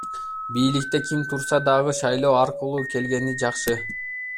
Бийликте ким турса дагы, шайлоо аркылуу келгени жакшы.